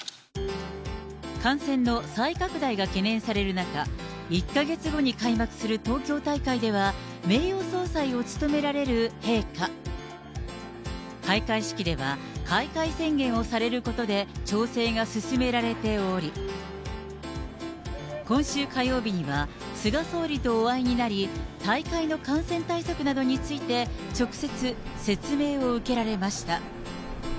感染の再拡大が懸念される中、１か月後に開幕する東京大会では、名誉総裁を務められる陛下。開会式では開会宣言をされることで調整が進められており、今週火曜日には、菅総理とお会いになり、大会の感染対策などについて、直接、説明を受けられました。